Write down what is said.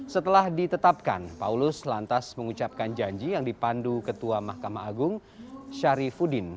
setelah ditetapkan paulus lantas mengucapkan janji yang dipandu ketua mahkamah agung syarifudin